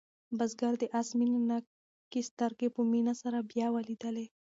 بزګر د آس مینه ناکې سترګې په مینه سره بیا ولیدلې.